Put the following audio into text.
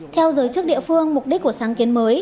theo giới chức địa phương mục đích của sáng kiến mới